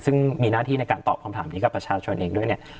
ซึ่งมีหน้าที่ในการตอบคำถามนี้กับประชาชนเองด้วยเนี่ย